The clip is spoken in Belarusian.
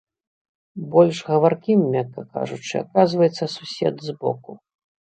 Больш гаваркім, мякка кажучы, аказваецца сусед збоку.